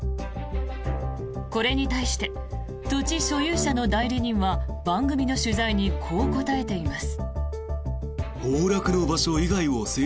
これに対して土地所有者の代理人は番組の取材にこう答えています。